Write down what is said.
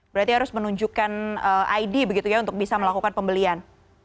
berarti harus menunjukkan id untuk bisa melakukan pembelian